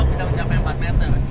kalau luar bisa mencapai empat meter